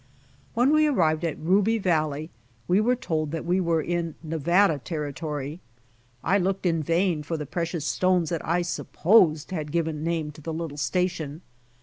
When we arrived at Ruby valley, we were told that we were in Nevada Territory. I looked in vain for the precious stones that I supposed had given nainie to the little station.